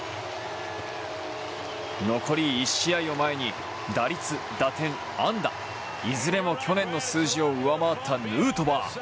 残り１試合を前に打率、打点、安打いずれも去年の数字を上回ったヌートバー。